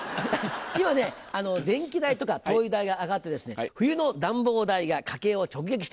今ね電気代とか灯油代が上がってですね冬の暖房代が家計を直撃しています。